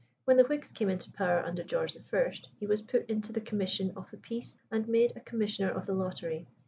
When the Whigs came into power under George I. he was put into the commission of the peace, and made a Commissioner of the Lottery.